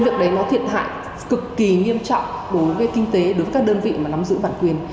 việc đấy nó thiệt hại cực kỳ nghiêm trọng đối với kinh tế đối với các đơn vị mà nắm giữ bản quyền